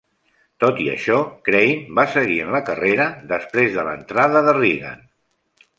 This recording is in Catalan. Tot i això, Crane va seguir en la carrera després de l'entrada de Reagan.